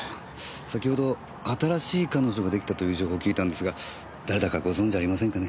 先ほど新しい彼女が出来たという情報を聞いたんですが誰だかご存じありませんかね？